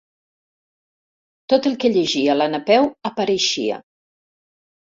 Tot el que llegia la Napeu apareixia.